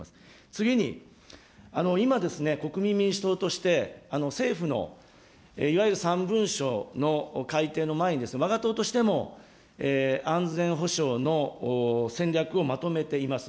次に、今、国民民主党として、政府のいわゆる３文書の改定の前に、わが党としても、安全保障の戦略をまとめています。